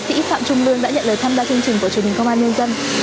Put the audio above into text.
đã nhận lời tham gia chương trình của truyền hình công an nhân dân